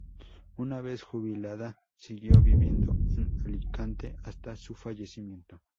Una vez jubilada siguió viviendo en Alicante hasta su fallecimiento.